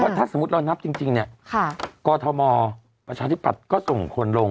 ถ้าสมมุติเรานับจริงเนี่ยกรทมประชาธิปัตย์ก็ส่งคนลง